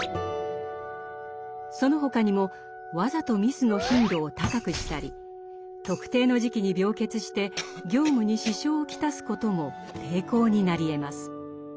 その他にもわざとミスの頻度を高くしたり特定の時期に病欠して業務に支障を来すことも抵抗になりえます。